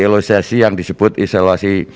ilustrasi yang disebut isolasi